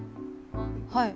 はい。